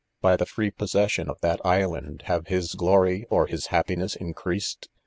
By the free possession of that island have his glory or his happiness increased ?